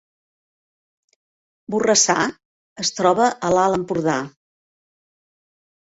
Borrassà es troba a l’Alt Empordà